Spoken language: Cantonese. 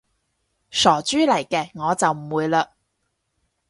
傻豬嚟嘅，我就唔會嘞